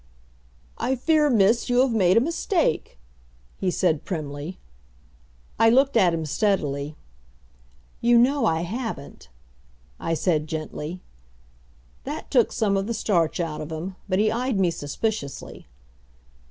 "I fear, Miss, you have made a mistake," he said primly. I looked at him steadily. "You know I haven't," I said gently. That took some of the starch out of him, but he eyed me suspiciously.